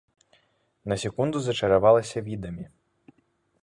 На секунду зачаравалася відамі.